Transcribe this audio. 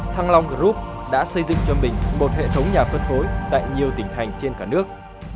thăng long group đã xây dựng cho mình một hệ thống nhà phân phối tại nhiều tỉnh thành trên cả nước